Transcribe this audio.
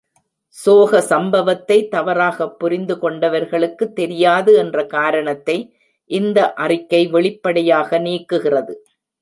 சோக சம்பவத்தை தவறாக புரிந்து கொண்டவர்களுக்கு தெரியாது என்ற காரணத்தை இந்த அறிக்கை வெளிப்படையாக நீக்குகிறது.